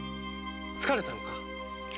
疲れたのか？